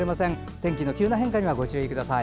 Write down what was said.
天気の急な変化にはご注意ください。